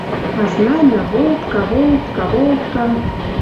А знамя — волтка, волтка, волтка